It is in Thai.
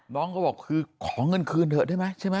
น้องก็บอกคือขอเงินคืนเถอะได้ไหมใช่ไหม